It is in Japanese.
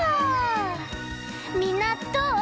みんなどう？